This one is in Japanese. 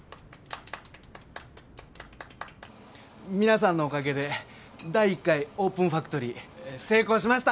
皆さんのおかげで第１回オープンファクトリー成功しました！